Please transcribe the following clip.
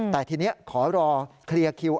แต่ทีนี้ขอรอเคลียร์คิว